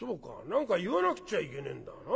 何か言わなくちゃいけねえんだな。